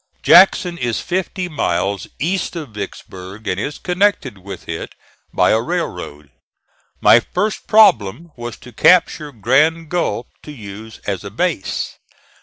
Jackson is fifty miles east of Vicksburg and is connected with it by a railroad. My first problem was to capture Grand Gulf to use as a base.